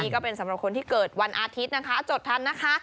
ก็เป็นสำหรับคนที่เกิดวันอาทิตย์นะคะจดทันนะคะ